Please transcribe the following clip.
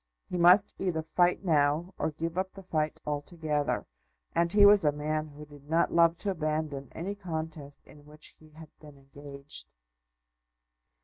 He must either fight now, or give up the fight altogether; and he was a man who did not love to abandon any contest in which he had been engaged.